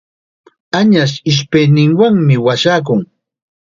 Añas ishpayninwanmi washakun.